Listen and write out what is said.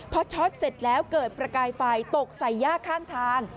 พอช็อตเสร็จแล้วเกิดประกายไฟตกใส่ย่าข้างทาง